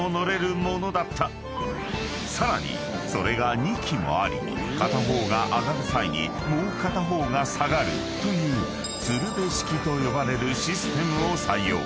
［さらにそれが２基もあり片方が上がる際にもう片方が下がるというつるべ式と呼ばれるシステムを採用］